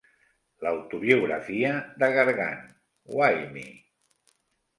L'autobiografia de Gargan, Why Me?